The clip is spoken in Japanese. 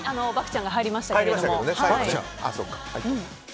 漠ちゃんが入りましたけど。